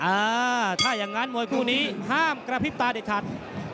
อ่าถ้าอย่างนั้นมวยคู่นี้ห้ามกระพริบตาเด็ดขาด